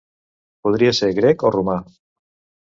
Podria ser grec o romà.